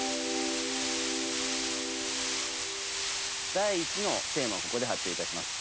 第１のテーマをここで発表いたします。